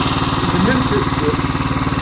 Zedment-d.